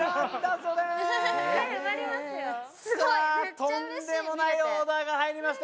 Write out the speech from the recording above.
とんでもないオーダーが入りました。